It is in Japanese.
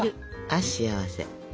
あ幸せ。